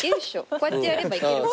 こうやってやればいける。